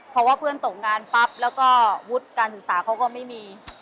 เพราะว่าเพื่อนตกงานปั๊บแล้วก็วุฒิการศึกษาเขาก็ไม่มี